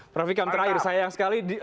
prof ikam terakhir sayang sekali